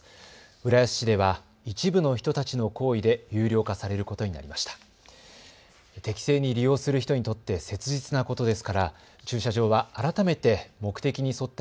浦安市では一部の人たちの行為で有料化されることになりました。